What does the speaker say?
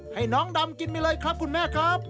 ให้น้องดำกินไปเลยครับคุณแม่ครับ